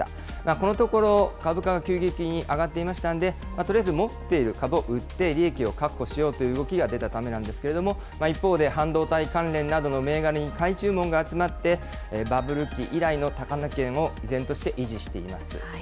このところ、株価が急激に上がっていましたんで、とりあえず持っている株を売って利益を確保しようという動きが出たためなんですけれども、一方で、半導体関連などの銘柄に買い注文が集まって、バブル期以来の高値圏を依然として維持しています。